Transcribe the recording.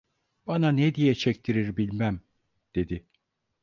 Bana ne diye çektirir bilmem… dedi.